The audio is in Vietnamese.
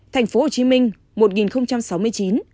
thành phố hồ chí minh một sáu mươi chín